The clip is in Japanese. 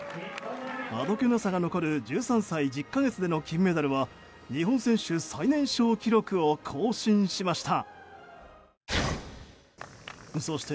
あどけなさが残る１３歳１０か月での金メダルは日本選手最年少記録を更新しました。